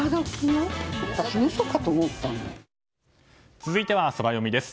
続いてはソラよみです。